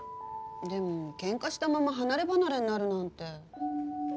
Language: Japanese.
でもけんかしたまま離れ離れになるなんて。